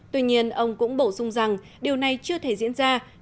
tuy nhiên ông cũng bổ sung rằng điều này chưa thể diễn ra